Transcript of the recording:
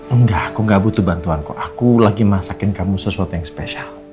enggak aku gak butuh bantuan kok aku lagi masakin kamu sesuatu yang spesial